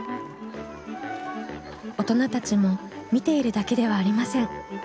大人たちも見ているだけではありません。